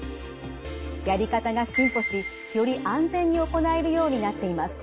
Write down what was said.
やり方が進歩しより安全に行えるようになっています。